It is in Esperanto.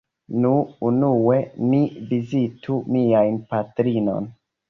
Nu, unue ni vizitu mian patrinon.